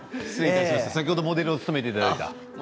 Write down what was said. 先ほどモデルを務めていただいた。